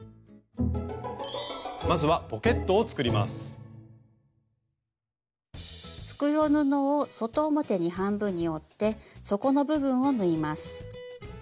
まずは袋布を外表に半分に折って底の部分を縫います。